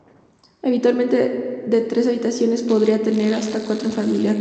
Habitualmente de tres habitaciones, podían tener hasta cuatro en familias ricas.